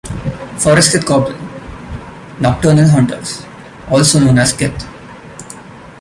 Forestkith Goblin: Nocturnal hunters, also known as kith.